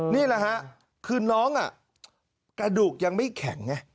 นี่แหละฮะคือน้องกระดูกยังไม่แข็งไง